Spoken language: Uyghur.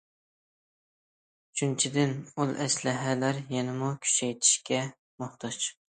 ئۈچىنچىدىن، ئۇل ئەسلىھەلەر يەنىمۇ كۈچەيتىشكە موھتاج.